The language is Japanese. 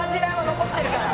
残ってるよ。